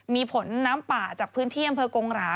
มีผลน้ำป่าจากพื้นที่อำเภอกงหรา